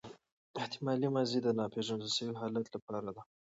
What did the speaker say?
احتمالي ماضي د ناپیژندل سوي حالت له پاره ده.